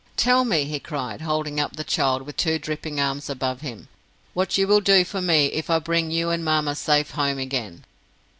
"Tell me," he cried, holding up the child with two dripping arms above him, "what you will do for me if I bring you and mamma safe home again?"